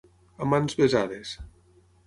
A mans besades.